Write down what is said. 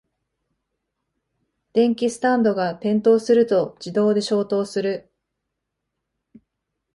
電気スタンドが転倒すると自動で消灯する